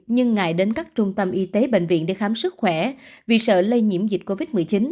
nhưng ngại đến các trung tâm y tế bệnh viện để khám sức khỏe vì sợ lây nhiễm dịch covid một mươi chín